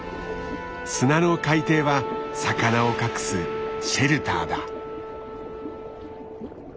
砂の海底は魚を隠すシェルターだ。